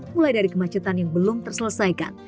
mulai dari kemacetan yang belum terselesaikan